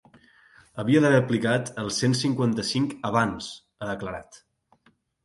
Havia d’haver aplicat el cent cinquanta-cinc abans, ha declarat.